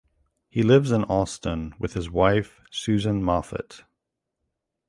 He lives in Austin with his wife Susan Moffat.